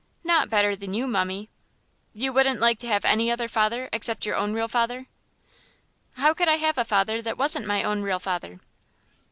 "Not better than you, mummie." "You wouldn't like to have any other father except your own real father?" "How could I have a father that wasn't my own real father?"